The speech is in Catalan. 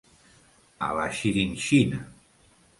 A la xirinxina.